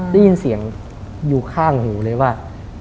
ได้ยินเสียงอยู่ข้างหูเลยว่า